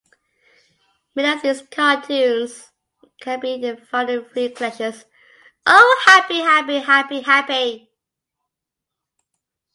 Many of his cartoons can be found in three collections: Oh, Happy, Happy, Happy!